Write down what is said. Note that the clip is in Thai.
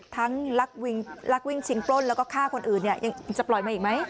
ลักวิ่งชิงปล้นแล้วก็ฆ่าคนอื่นเนี่ยยังจะปล่อยมาอีกไหม